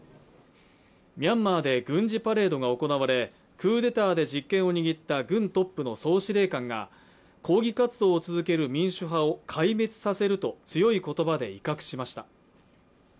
ミャンマーで軍事パレードが行われクーデターで実権を握った軍トップの総司令官が抗議活動を続ける民主派を壊滅させると強い言葉で威嚇しました。